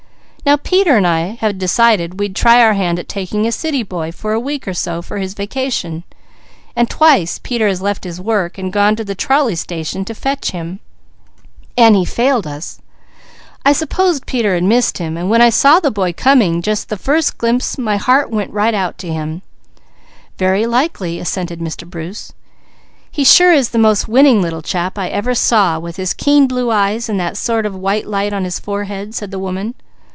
Now Peter and I had decided we'd try our hand at taking a city boy for a week or so for his vacation, and twice Peter has left his work and gone to the trolley station to fetch him, and he failed us. I supposed Peter had missed him, so when I saw the boy coming, just the first glimpse my heart went right out to him " "Very likely " assented Mr. Bruce. "He surely is the most winning little chap I ever saw with his keen blue eyes and that sort of light on his forehead," said the woman.